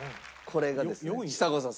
これがですねちさ子さん